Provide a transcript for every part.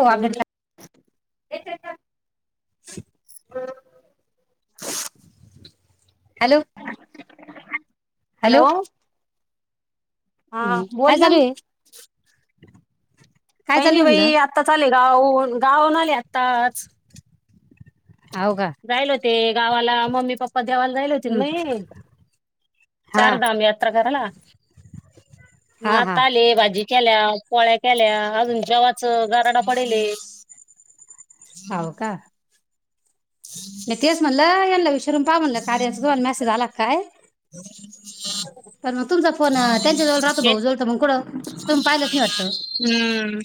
हो आग. [unintelligible] Hello. [unintelligible] Hello. हा हं, काय बोल ना. चालू आहे काय काही चालू नाही आहे म्हणलं बाई आत्ता चालेल. गाऊ गाऊन आली आताच. हो का. ते गावाला मम्मी पप्पा. प देवाला जायला होती हं, मग हा चारधाम यात्रा करायला म हा हा आता आले, बाजी. केल्या पोळ्या केल्या अजून, जेवाच [unintelligible] होव का? मि तेच म्हणलं यांला विष र पहा म्हणलं कार्याचा तुम्हालाला मेसेज आला काय? [inaudible] तर मग तुमचा फोन त्यांच्या जवळ राहतो, भाऊ जवळ तर मग कुठं? तुम्ही पाहिलंच नाही वाटतं हम्म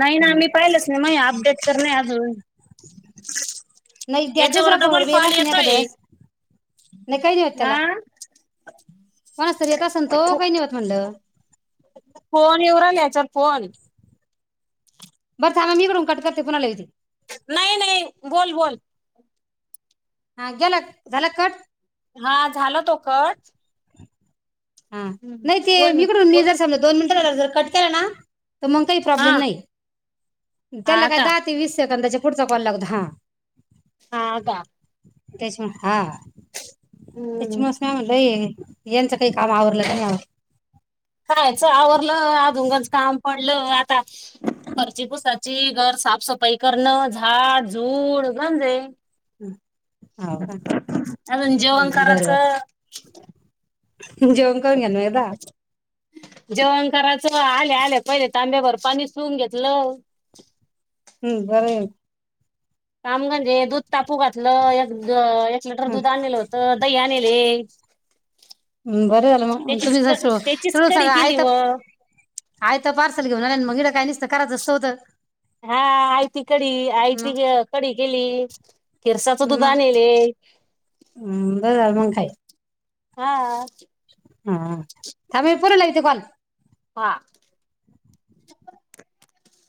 नाही ना आम्ही पाहिलच नाही म अपडेट करणे आजुन नाही द दुसरा फोनवर येला असं नाही एका दिवस नाही काही नाही होत हा त्याला कोण असत येेत असल तो काही नाही होत म्हटलं. फोन येऊ याच्यात फोन बरं ां ना मी करडून कट करते फोला येते. नाही नाही, बोल बोल हा गेला, झाला कट? हा झाल तो. कच हा नाही, ते मीकडून म बोल जर सज दोन मिनट कटकला ना? तर मग काही हा प्रॉब्लेम नाही, त्याला हा काय का दहा ते वीस सेकंदाचे पुढचा कॉल लागत हा, हा आग त्याच्यामुळे हा हम्म म्हलं यांचं काही काम आवरलं का ना, खायच आवरलं अ दोंगच काम पडलं आता घरची पुसाची, घर साफसफाई करणं, झाड झूड गंजे. हो का अजून जेवण करायचं, जो करनयदा जेवण कराच, आले आले पहिले तांब्यावरर पाणी सुवून घेतलं. हम्म ब रामगंजे दू टापू घातलं एक एक लिटर दूध आणलेलं होत दही आणले [inaudible] बरं झालं मग त्याचीच तुम्ही ज त्याचीच तु कडी सगा आ केली मग आयता पार्सल घेऊन आलेत. [unintelligible] हा आयती कडी मग आयती कडी केली खिरसाच दुध मग आनिले हम्म, बरं झालं मग काय हा [inaudible] हा थाम पूर लाग त कॉल हा